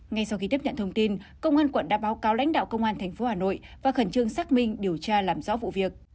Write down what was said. ngay sau khi tiếp nhận thông tin công an quận đã báo cáo lãnh đạo công an tp hà nội và khẩn trương xác minh điều tra làm rõ vụ việc